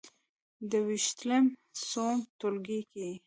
ده وپوښتلم: څووم ټولګي کې یې؟